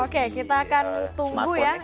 oke kita akan tunggu ya